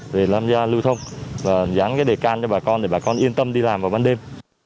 để làm ra lưu thông và dán đề can cho bà con để bà con yên tâm đi làm vào ban đêm